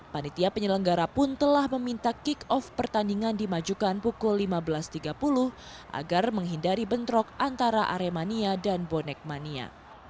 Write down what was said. panitia penyelenggara pun telah meminta kick off pertandingan dimajukan pukul lima belas tiga puluh agar menghindari bentrok antara aremania dan bonek mania